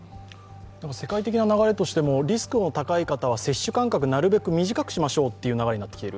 世界的な流れとしてもリスクの高い方は接種間隔なるべく短くしましょうという流れになってきている。